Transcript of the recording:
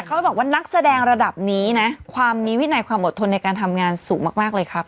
เขาบอกว่านักแสดงระดับนี้นะความมีวินัยความอดทนในการทำงานสูงมากเลยครับ